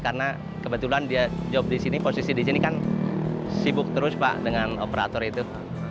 karena kebetulan dia job di sini posisi di sini kan sibuk terus pak dengan operator itu